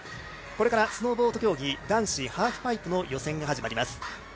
これからスノーボード競技、男子ハーフパイプの予選が始まります